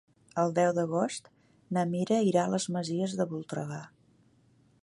El deu d'agost na Mira irà a les Masies de Voltregà.